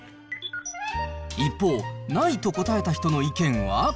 一方、ないと答えた人の意見は。